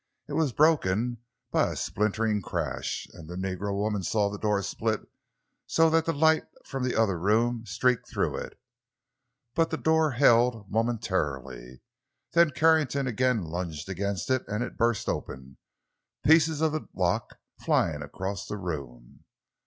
It was broken by a splintering crash, and the negro woman saw the door split so that the light from the other room streaked through it. But the door held, momentarily. Then Carrington again lunged against it and it burst open, pieces of the lock flying across the room.